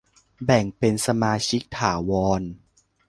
แบ่งเป็นสมาชิกถาวร